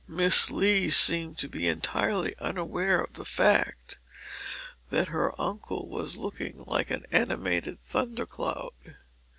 Miss Lee seemed to be entirely unaware of the fact that her uncle was looking like an animated thunder cloud.